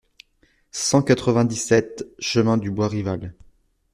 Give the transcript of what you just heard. cent quatre-vingt-dix-sept chemin du Bois Rival